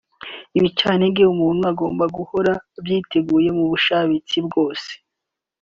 Ibicantege umuntu agomba guhora abyiteguye mu bushabitsi bwose